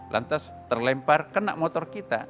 lantas terlempar kena motor kita